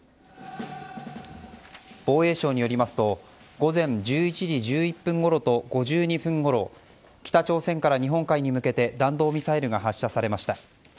防衛省によりますと午前１１時１１分ごろと５２分ごろ北朝鮮から日本海に向けて弾道ミサイルが発射されました。